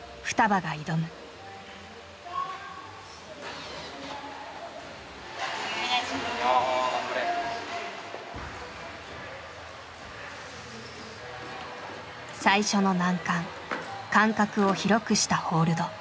最初の難関間隔を広くしたホールド。